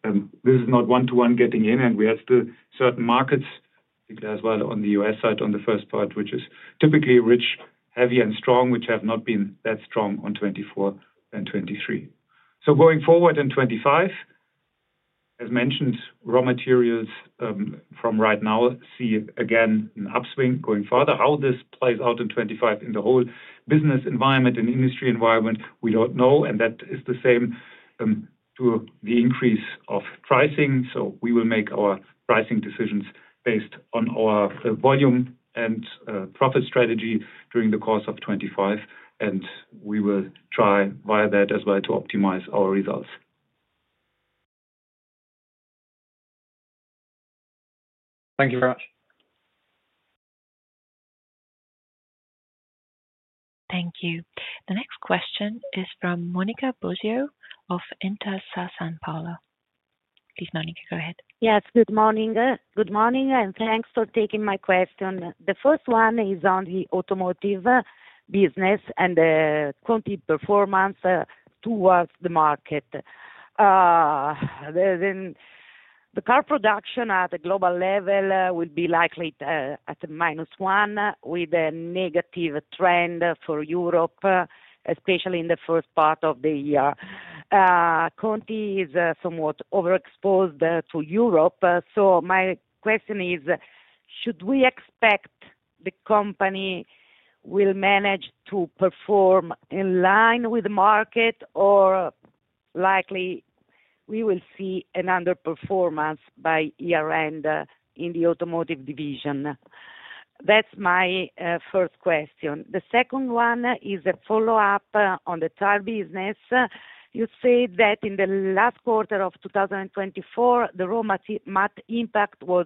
C: this is not one-to-one getting in, and we have still certain markets, particularly as well on the U.S. side on the first part, which is typically rich, heavy, and strong, which have not been that strong on 2024 and 2023. So going forward in 2025, as mentioned, raw materials from right now see again an upswing going further. How this plays out in 2025 in the whole business environment, in the industry environment, we don't know. And that is the same to the increase of pricing. So we will make our pricing decisions based on our volume and profit strategy during the course of 2025, and we will try via that as well to optimize our results.
I: Thank you very much.
A: Thank you. The next question is from Monica Bosio of Intesa Sanpaolo. Please, Monica, go ahead.
J: Yes, good morning. Good morning, and thanks for taking my question. The first one is on the automotive business and the quantity performance towards the market. The car production at a global level will be likely at -1% with a negative trend for Europe, especially in the first part of the year. Conti is somewhat overexposed to Europe. So my question is, should we expect the company will manage to perform in line with the market, or likely we will see an underperformance by year-end in the automotive division? That's my first question. The second one is a follow-up on the tire business. You said that in the last quarter of 2024, the raw material impact was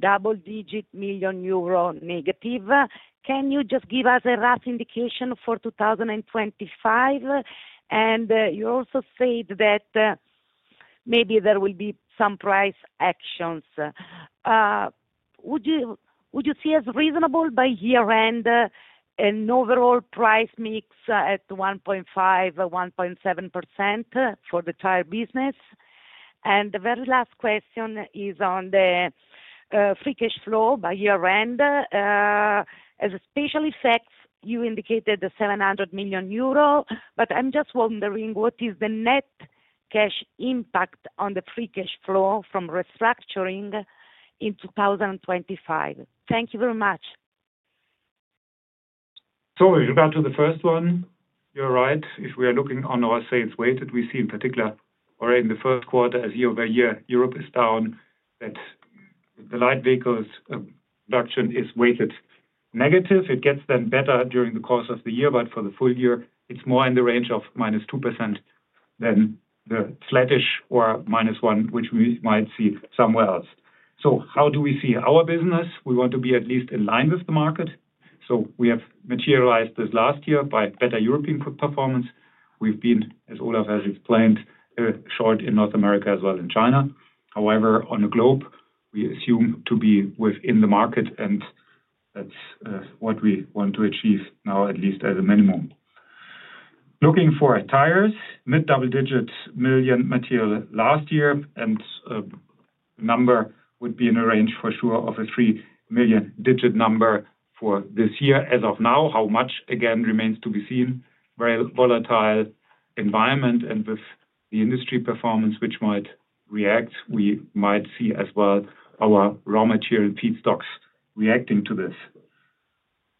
J: double-digit million EUR negative. Can you just give us a rough indication for 2025? And you also said that maybe there will be some price actions. Would you see as reasonable by year-end an overall price mix at 1.5%-1.7% for the tire business? And the very last question is on the free cash flow by year-end. As a special effect, you indicated the 700 million euro, but I'm just wondering what is the net cash impact on the free cash flow from restructuring in 2025? Thank you very much.
C: Sorry, go back to the first one. You're right. If we are looking on our sales weighted, we see in particular, or in the first quarter, as year-over-year, Europe is down that the light vehicles production is weighted negative. It gets then better during the course of the year, but for the full year, it's more in the range of -2% than the flatish or -1%, which we might see somewhere else. So how do we see our business? We want to be at least in line with the market. So we have materialized this last year by better European performance. We've been, as Olaf has explained, short in North America as well as in China. However, on the globe, we assume to be within the market, and that's what we want to achieve now, at least as a minimum. Looking for tires, mid double-digit million material last year, and the number would be in a range for sure of a three-million digit number for this year. As of now, how much again remains to be seen. Very volatile environment, and with the industry performance, which might react, we might see as well our raw material feedstocks reacting to this.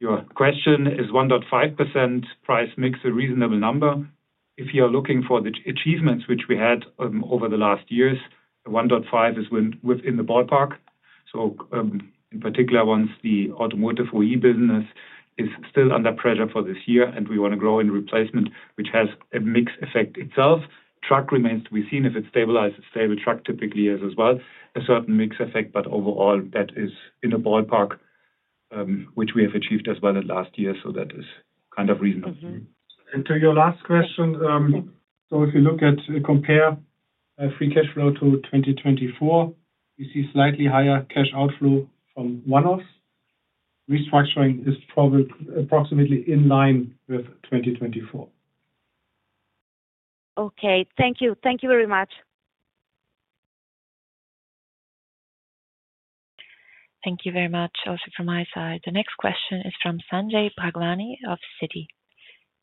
C: Your question is 1.5% price mix, a reasonable number. If you are looking for the achievements which we had over the last years, 1.5 is within the ballpark. In particular, once the automotive OE business is still under pressure for this year, and we want to grow in replacement, which has a mixed effect itself. Truck remains to be seen. If it stabilizes, stable truck typically has as well a certain mix effect, but overall, that is in a ballpark which we have achieved as well in last year. So that is kind of reasonable. And to your last question, so if you look at compare free cash flow to 2024, we see slightly higher cash outflow from one-offs. Restructuring is probably approximately in line with 2024. Okay.
J: Thank you. Thank you very much.
A: Thank you very much. Also from my side, the next question is from Sanjay Bhagwani of Citi.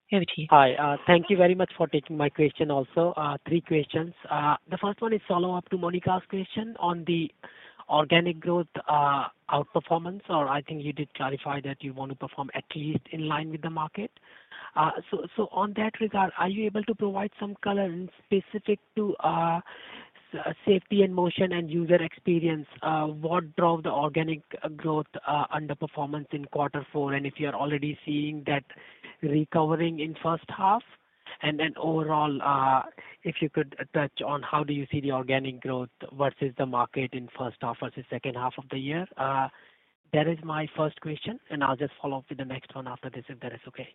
A: Here with you.
K: Hi. Thank you very much for taking my question also. Three questions. The first one is follow-up to Monica's question on the organic growth outperformance, or I think you did clarify that you want to perform at least in line with the market. So on that regard, are you able to provide some color in specific to Safety and Motion and User Experience? What drove the organic growth underperformance in quarter four? And if you're already seeing that recovering in first half? And then overall, if you could touch on how do you see the organic growth versus the market in first half versus second half of the year? That is my first question, and I'll just follow up with the next one after this if that is okay.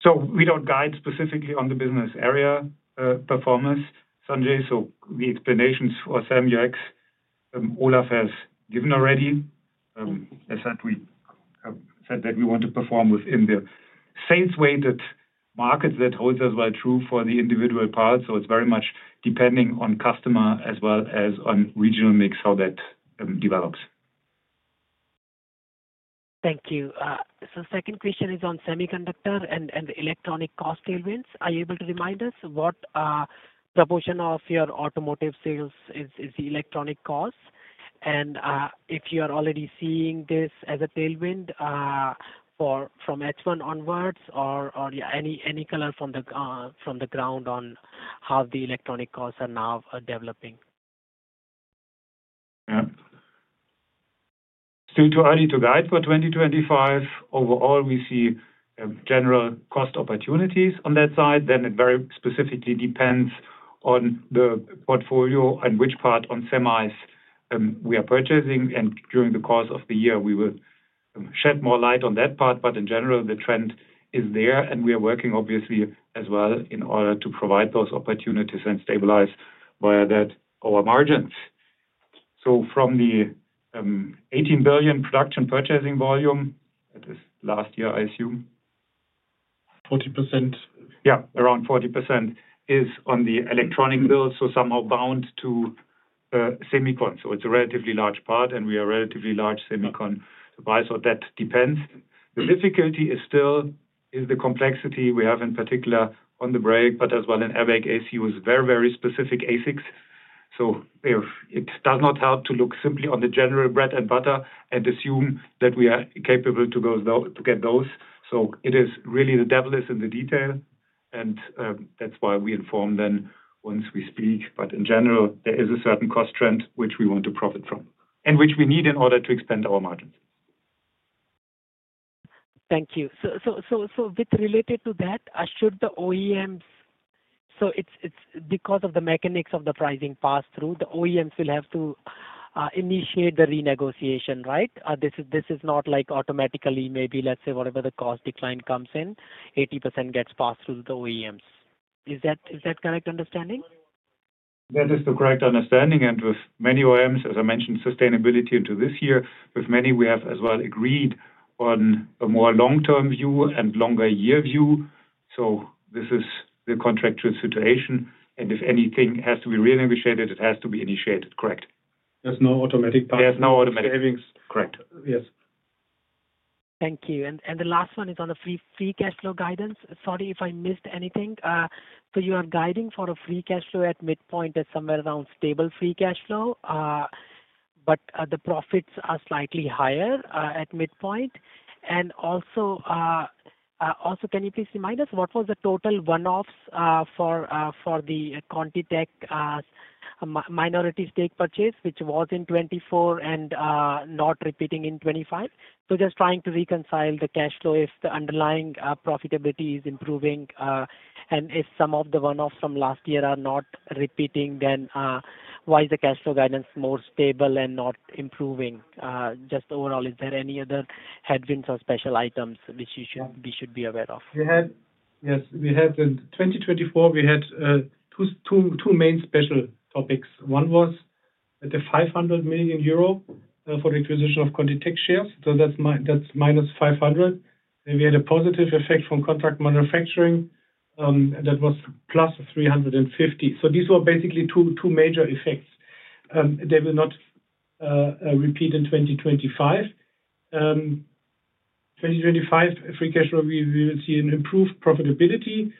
C: So we don't guide specifically on the business area performance, Sanjay. So the explanations for SAM UX Olaf has given already. As I said, we said that we want to perform within the sales-weighted market that holds as well true for the individual parts.
K: Thank you. So second question is on semiconductor and electronic cost tailwinds. Are you able to remind us what proportion of your automotive sales is the electronic cost? And if you are already seeing this as a tailwind from H1 onwards or any color from the ground on how the electronic costs are now developing?
C: Still too early to guide for 2025. Overall, we see general cost opportunities on that side. Then it very specifically depends on the portfolio and which part on semis we are purchasing. And during the course of the year, we will shed more light on that part. But in general, the trend is there, and we are working obviously as well in order to provide those opportunities and stabilize via that our margins. So from the 18 billion production purchasing volume, that is last year, I assume.
D: 40%? Yeah, around 40% is on the electronic build, so somehow bound to semiconductors. So it's a relatively large part, and we are a relatively large semiconductor device, so that depends. The difficulty is still the complexity we have in particular on the brake, but as well in airbag ACU is very, very specific ASICs. So it does not help to look simply on the general bread and butter and assume that we are capable to get those. So it is really the devil is in the detail, and that's why we inform them once we speak. But in general, there is a certain cost trend which we want to profit from and which we need in order to expand our margins.
K: Thank you. So related to that, should the OEMs, so it's because of the mechanics of the pricing passed through, the OEMs will have to initiate the renegotiation, right? This is not like automatically maybe, let's say, whatever the cost decline comes in, 80% gets passed through to the OEMs. Is that correct understanding?
C: That is the correct understanding. And with many OEMs, as I mentioned, sustainability into this year. With many, we have as well agreed on a more long-term view and longer year view. So this is the contractual situation. And if anything has to be renegotiated, it has to be initiated, correct?
D: There's no automatic passing of savings.
C: Correct. Yes.
K: Thank you. And the last one is on the free cash flow guidance. Sorry if I missed anything. So you are guiding for a free cash flow at midpoint, that's somewhere around stable free cash flow, but the profits are slightly higher at midpoint. And also, can you please remind us what was the total one-offs for the ContiTech minority stake purchase, which was in 2024 and not repeating in 2025? So just trying to reconcile the cash flow if the underlying profitability is improving. And if some of the one-offs from last year are not repeating, then why is the cash flow guidance more stable and not improving? Just overall, is there any other headwinds or special items which we should be aware of?
D: Yes, we had in 2024, we had two main special topics. One was the 500 million euro for the acquisition of ContiTech shares. So that's minus 500 million. We had a positive effect from contract manufacturing that was plus 350 million. So these were basically two major effects. They will not repeat in 2025. 2025, free cash flow, we will see an improved profitability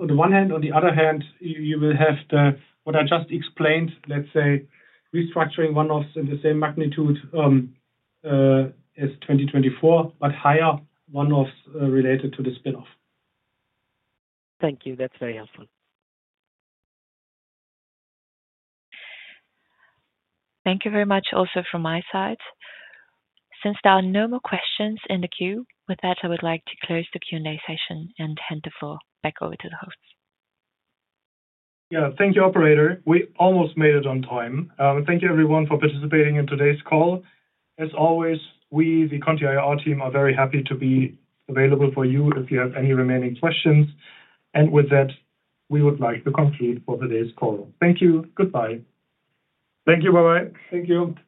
D: on the one hand. On the other hand, you will have what I just explained, let's say, restructuring one-offs in the same magnitude as 2024, but higher one-offs related to the spin-off.
K: Thank you. That's very helpful.
A: Thank you very much also from my side. Since there are no more questions in the queue, with that, I would like to close the Q&A session and hand the floor back over to the hosts.
C: Yeah, thank you, operator. We almost made it on time. Thank you, everyone, for participating in today's call. As always, we, the Continental IR team, are very happy to be available for you if you have any remaining questions, and with that, we would like to conclude for today's call. Thank you. Goodbye.
D: Thank you. Bye-bye. Thank you.